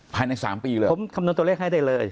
ภายใน๓ปีเลยผมคำนวณตัวเลขให้ได้เลย